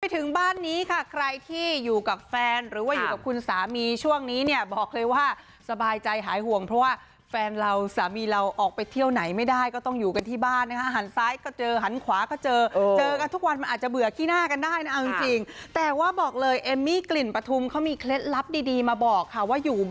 ถึงบ้านนี้ค่ะใครที่อยู่กับแฟนหรือว่าอยู่กับคุณสามีช่วงนี้เนี่ยบอกเลยว่าสบายใจหายห่วงเพราะว่าแฟนเราสามีเราออกไปเที่ยวไหนไม่ได้ก็ต้องอยู่กันที่บ้านนะคะหันซ้ายก็เจอหันขวาก็เจอเจอกันทุกวันมันอาจจะเบื่อขี้หน้ากันได้นะเอาจริงแต่ว่าบอกเลยเอมมี่กลิ่นปฐุมเขามีเคล็ดลับดีมาบอกค่ะว่าอยู่